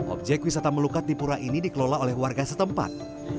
objek wisata melukat di pura ini dikelola oleh warga setempat